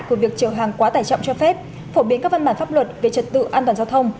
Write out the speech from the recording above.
của việc trở hàng quá tải trọng cho phép phổ biến các văn bản pháp luật về trật tự an toàn giao thông